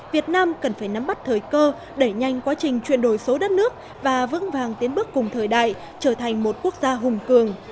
việt nam cần phải nắm bắt thời cơ đẩy nhanh quá trình chuyển đổi số đất nước và vững vàng tiến bước cùng thời đại trở thành một quốc gia hùng cường